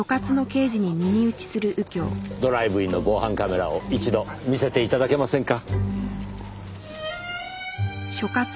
ドライブインの防犯カメラを一度見せて頂けませんか？